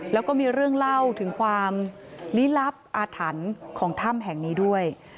แล้วก็มีเรื่องเล่าถึงความลี้ลับอาถรรพ์ของถ้ำแห่งนี้ด้วย